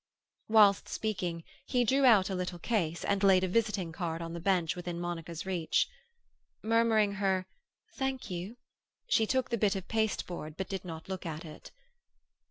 Whilst speaking, he drew out a little case, and laid a visiting card on the bench within Monica's reach. Murmuring her "thank you," she took the bit of pasteboard, but did not look at it.